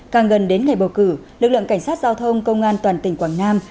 càng gần đến ngày bầu cử lực lượng cảnh sát giao thông công an toàn tỉnh quảng nam